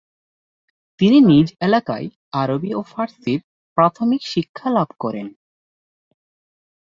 তিনি নিজ এলাকায় আরবি ও ফার্সির প্রাথমিক শিক্ষা লাভ করেন।